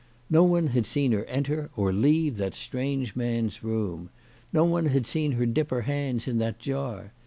No one had seen her enter or leave that strange man's room. No one had seen her dip her .hands in that jar.